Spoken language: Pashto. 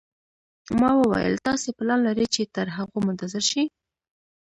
ما وویل: تاسي پلان لرئ چې تر هغو منتظر شئ.